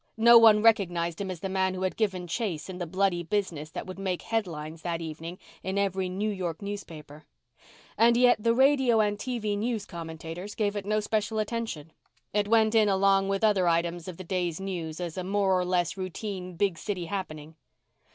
No one recognized him as the man who had given chase in the bloody business that would make headlines that evening in every New York newspaper. And yet the radio and TV news commentators gave it no special attention. It went in along with other items of the day's news as a more or less routine big city happening.